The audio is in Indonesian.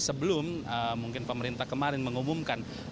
sebelum mungkin pemerintah kemarin mengumumkan